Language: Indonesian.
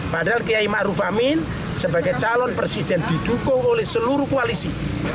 padahal kiai ⁇ maruf ⁇ amin sebagai calon presiden didukung oleh seluruh koalisi